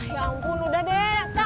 ya ampun udah deh